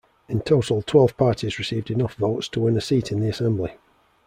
In total, twelve parties received enough votes to win a seat in the assembly.